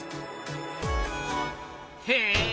へえ。